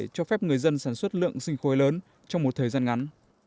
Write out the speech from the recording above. cho phép người dân sản xuất lượng sinh khối lớn trong một thời gian ngắn